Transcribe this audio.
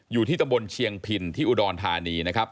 อยู่ที่ตำบลเชียงพินที่อุดรธานีนะครับ